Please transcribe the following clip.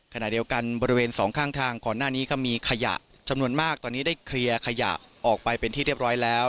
ขณะเดียวกันบริเวณสองข้างทางก่อนหน้านี้ก็มีขยะจำนวนมากตอนนี้ได้เคลียร์ขยะออกไปเป็นที่เรียบร้อยแล้ว